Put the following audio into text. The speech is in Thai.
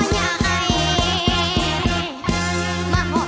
ที่พอจับกีต้าร์ปุ๊บ